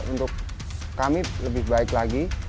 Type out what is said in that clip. untuk kami lebih baik lagi